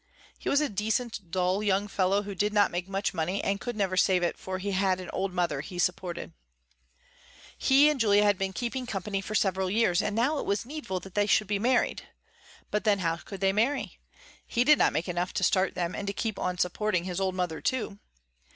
He was a decent, dull young fellow, who did not make much money and could never save it for he had an old mother he supported. He and Julia had been keeping company for several years and now it was needful that they should be married. But then how could they marry? He did not make enough to start them and to keep on supporting his old mother too.